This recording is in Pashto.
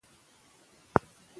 تمرکز ژر له منځه ځي.